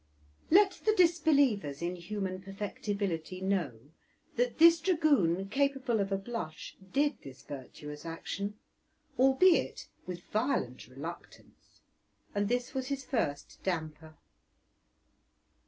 Let the disbelievers in human perfectibility know that this dragoon, capable of a blush, did this virtuous action, albeit with violent reluctance; and this was his first damper.